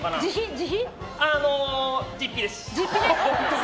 自費です。